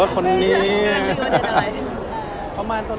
ก็ไม่ได้นานกว่านาน